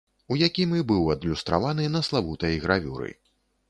У якім і быў адлюстраваны на славутай гравюры.